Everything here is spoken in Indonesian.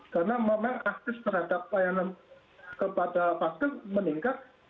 karena memang aktif terhadap layanan kepada pasien meningkat